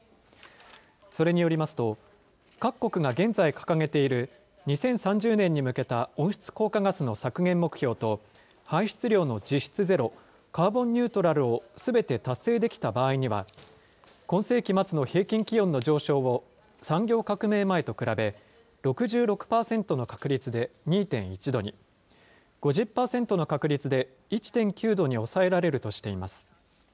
それによりますと、各国が現在掲げている２０３０年に向けた温室効果ガスの削減目標と、排出量の実質ゼロ、カーボンニュートラルをすべて達成できた場合には、今世紀末の平均気温の上昇を産業革命前と比べ、６６％の確率で２．１度に、５０％の確率で１．９度に抑えられるとしています。